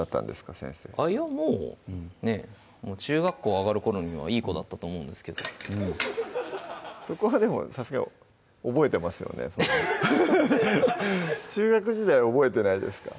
先生いやもうねぇ中学校上がる頃にはいい子だったと思うんですけどそこはでもさすがに覚えてますよね中学時代覚えてないですか？